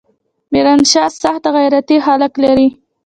ميرانشاه سخت غيرتي خلق لري.